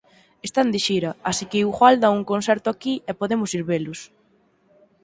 Están de xira, así que igual dan un concerto aquí e podemos ir velos.